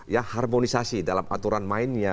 ya harmonisasi dalam aturan mainnya